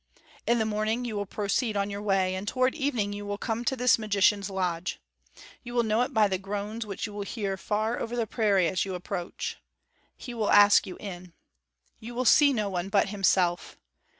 In the morning you will proceed on your way, and toward evening you will come to this magician's lodge. You will know it by the groans which you will hear far over the prairie as you approach. He will ask you in. You will see no one but himself.